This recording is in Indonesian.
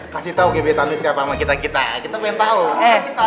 kasih tau kebetulan siapa sama kita kita kita pengen tau